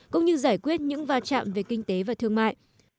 cũng như giải quyết những va chạm về kinh tế và thương mại